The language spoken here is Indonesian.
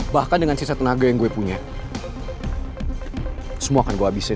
bahkan dengan sisa tenaga yang gue punya semua akan gue habisin